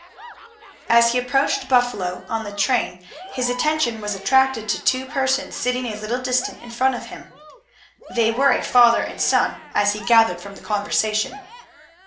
As he approached Buffalo on the train his attention was attracted to two persons sitting a little distance in front of him. They were a father and son, as he gathered from the conversation.